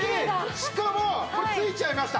しかも付いちゃいました。